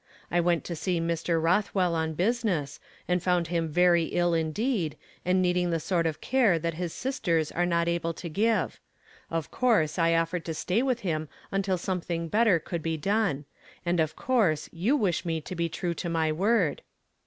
I went to see Mr. Rothwell on business, and found him very ill indeed, and needing the sort of care that his sis. tei s are not able to give ; of coui se I offered to stay witli him until something better could be done, and of coui se you wish me to be true to my word."